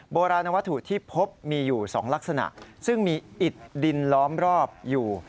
โบราณวัตถุที่พบมีอยู่๒ลักษณะซึ่งมีอิดดินล้อมรอบอยู่